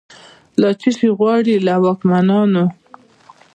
لا« څشي غواړی» له واکمنانو